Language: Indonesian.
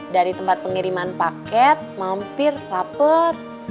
dari tempat pengiriman paket mampir rapat